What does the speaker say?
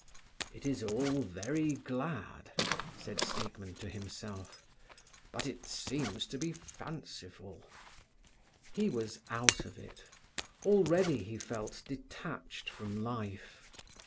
"It is all very glad," said Siegmund to himself, "but it seems to be fanciful." He was out of it. Already he felt detached from life.